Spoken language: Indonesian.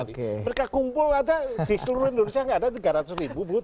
mereka kumpul aja di seluruh indonesia nggak ada tiga ratus ribu bu